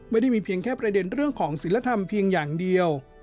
ไม่ได้มีเพียงแค่ประเด็นเรื่องของศิลธรรมเพียงอย่างเดียว